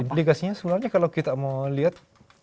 implikasinya sebenarnya kalau kita mau lihat